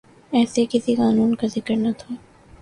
ایسے کسی قانون کا ذکر نہ تھا۔